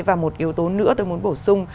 và một yếu tố nữa tôi muốn bổ sung